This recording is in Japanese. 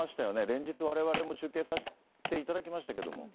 連日、われわれも中継させていただきましたけれども。